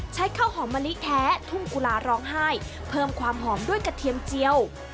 ข้าวหอมมะลิแท้ทุ่งกุลาร้องไห้เพิ่มความหอมด้วยกระเทียมเจียว